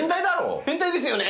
変態ですよね？